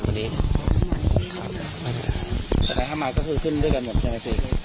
วันนี้แต่ถ้ามาก็คือขึ้นด้วยกันหมดใช่ไหมครับ